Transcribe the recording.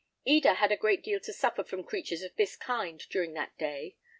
Eda had a great deal to suffer from creatures of this kind during that day.